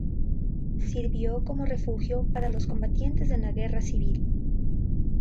Sirvió como refugio para los combatientes en la Guerra Civil.